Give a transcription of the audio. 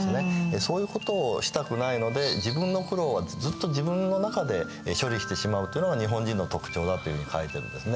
そういうことをしたくないので自分の苦労はずっと自分の中で処理してしまうというのが日本人の特徴だっていうふうに書いてるんですね。